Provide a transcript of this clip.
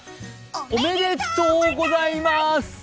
おめでとうございます！